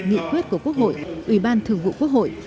nghị quyết của quốc hội ủy ban thường vụ quốc hội